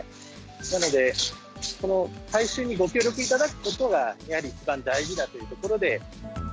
なので、この回収にご協力いただくことが、やはり一番大事だというところで。